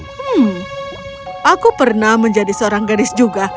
hmm aku pernah menjadi seorang gadis juga